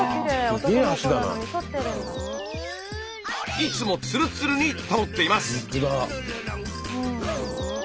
いつもツルツルに保っています。